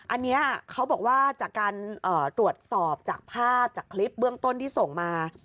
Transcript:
อันนี้เขาบอกว่าจากการตรวจสอบจากภาพจากคลิปเบื้องต้นที่ส่งมา